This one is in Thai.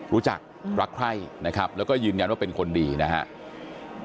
รู้จักรักใคร่นะครับแล้วก็ยืนยันว่าเป็นคนดีนะครับ